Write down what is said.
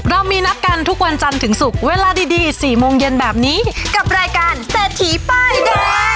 เรามีนัดกันทุกวันจันทร์ถึงศุกร์เวลาดี๔โมงเย็นแบบนี้กับรายการเศรษฐีป้ายแดง